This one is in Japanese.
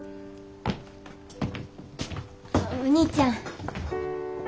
お兄ちゃん。